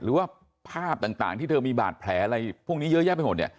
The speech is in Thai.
หรือว่าภาพต่างที่เธอมีบาดแผลอะไรพวกนี้เยอะแยะไปหมดเนี่ย